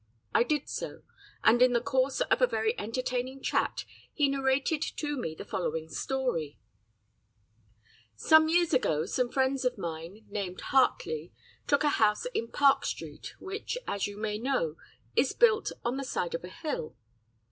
I did so, and in the course of a very entertaining chat he narrated to me the following story: "Some years ago some friends of mine, named Hartley, took a house in Park Street, which, as you may know, is built on the side of a hill.